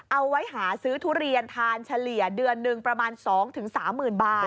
เอาไว้หาซื้อทุเรียนทานเฉลี่ยเดือนหนึ่งประมาณ๒๓๐๐๐บาท